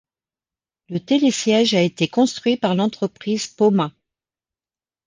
Le télésiège a été construit par l'entreprise Poma.